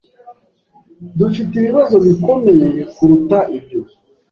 Dufite ibibazo bikomeye kuruta ibyo.